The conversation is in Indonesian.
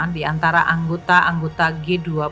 di antara anggota anggota g dua puluh